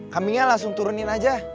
kami nya langsung turunin aja